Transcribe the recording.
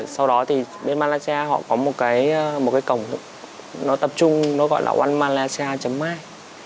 sau đó thì đến malaysia họ có một cái cổng tập trung gọi là onemalaysia my